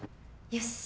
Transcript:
よし。